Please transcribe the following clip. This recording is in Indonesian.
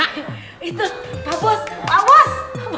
itu pak bos pak bos